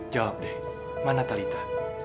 jawab deh mana talitha